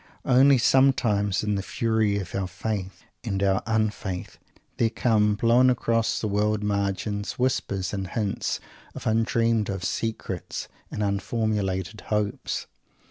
Only sometimes, in the fury of our Faith and our Un Faith, there come, blown across the world margins, whispers and hints of undreamed of secrets, of unformulated hopes.